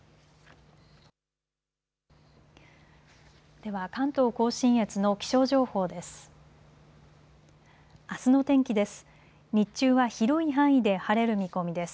では関東甲信越の気象情報です。